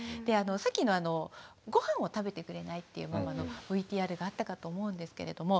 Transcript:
さっきのごはんを食べてくれないっていうママのＶＴＲがあったかと思うんですけれども。